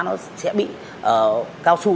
nó sẽ bị cao su